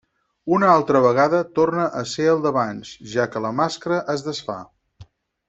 Una altra vegada, torna a ser el d'abans, ja que la màscara es desfà.